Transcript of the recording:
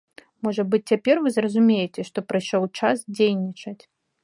Можа быць, цяпер вы зразумееце, што прыйшоў час дзейнічаць!